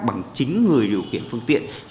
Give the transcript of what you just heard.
bằng chính người điều kiện phương tiện